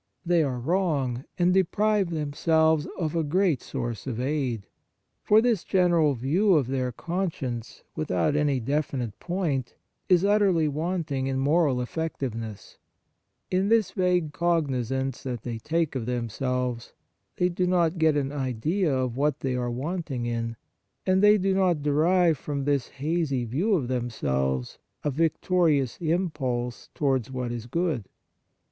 They are wrong, and deprive themselves of a great source of aid ; for this 128 Examination of Conscience general view of their conscience, without any definite point, is utterly wanting in moral effectiveness. In this vague cognizance that they take of themselves, they do not get an idea of what they are wanting in, and they do not derive from this hazy view of themselves a victorious impulse towards what is good.